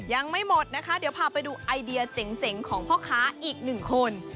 ยังไม่หมดนะคะเดี๋ยวพาไปดูไอเดียเจ๋งของพ่อค้าอีกหนึ่งคน